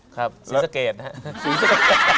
ครับศรีสะเกดนะครับ